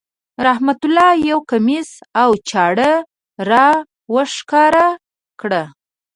رحمت الله یو کمیس او چاړه را وښکاره کړه.